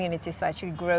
untuk membesarkan bunga